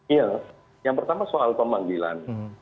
iya yang pertama soal pemanggilan